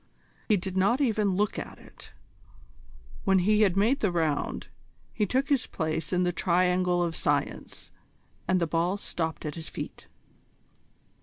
He did not even look at it. When he had made the round, he took his place in the Triangle of Science, and the ball stopped at his feet.